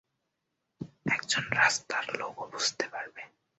একজন রাস্তার লোকও বুঝতে পারে।